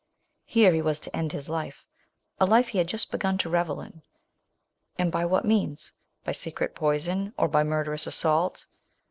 Here he was to end his life — a life he had just begun to revel in ! And by what means ? By secret poison ? or by murderous assault